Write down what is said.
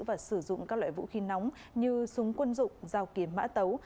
và sử dụng các loại vũ khí nóng như súng quân dụng dao kiếm mã tấu